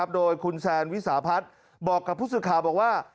โดยคุณแซนวิสาพัฒน์บอกกับผู้สื่อข่าวบอกว่า